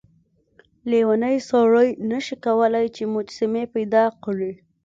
لیونی سړی نشي کولای چې مجسمې پیدا کړي.